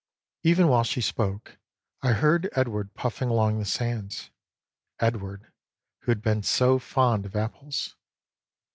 Even while she spoke I heard Edward puffing along the sands: Edward who had been so fond of apples.